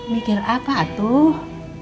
mikir apa atuh